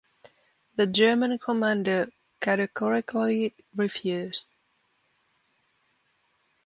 The German commander categorically refused.